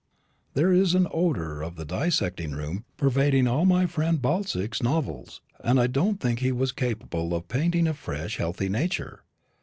There is an odour of the dissecting room pervading all my friend Balzac's novels, and I don't think he was capable of painting a fresh, healthy nature.